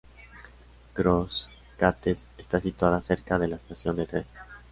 Cross Gates está situada cerca de la estación de tren.